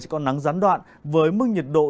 sẽ có nắng gián đoạn với mức nhiệt độ